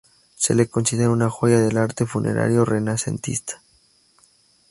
Se le considera una joya del arte funerario renacentista.